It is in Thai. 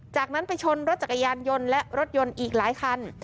จากนั้นไปชนรถจักรยานยนต์และรถยนต์อีกหลายคัน